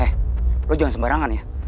eh lo jangan sembarangan ya